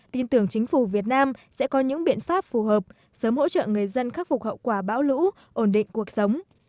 tin tưởng chính phủ việt nam sẽ có những biện pháp phù hợp sớm hỗ trợ người dân khắc phục hậu quả bão lũ ổn định cuộc sống